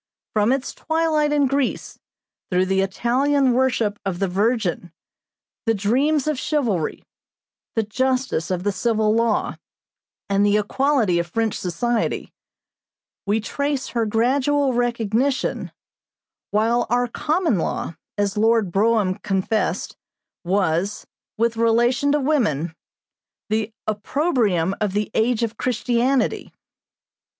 From its twilight in Greece, through the Italian worship of the Virgin, the dreams of chivalry, the justice of the civil law, and the equality of French society, we trace her gradual recognition, while our common law, as Lord Brougham confessed, was, with relation to women, the opprobrium of the age of Christianity.